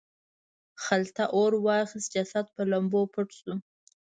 خلته اور واخیست جسد په لمبو پټ شو.